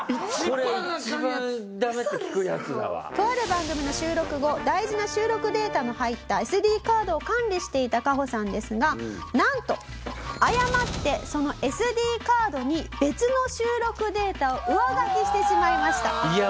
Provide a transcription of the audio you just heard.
とある番組の収録後大事な収録データの入ったＳＤカードを管理していたカホさんですがなんと誤ってそのＳＤカードに別の収録データを上書きしてしまいました。